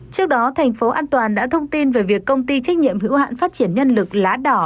trước đó thành phố an toàn đã thông tin về việc công ty trách nhiệm hữu hạn phát triển nhân lực lá đỏ